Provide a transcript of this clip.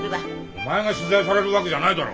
お前が取材されるわけじゃないだろ。